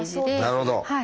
なるほど！